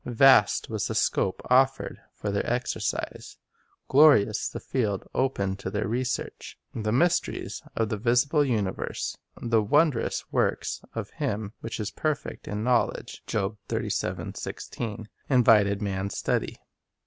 Vast was the scope offered for their exercise; glorious the field opened to their re search. The mysteries of the visible universe — the "wondrous works of Him who is perfect in knowl edge" 2 — invited man's study.